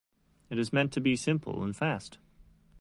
It is meant to be simple and fast.